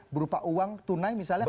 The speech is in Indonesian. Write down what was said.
berupa uang tunai misalnya